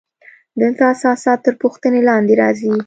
دلته اساسات تر پوښتنې لاندې راځي.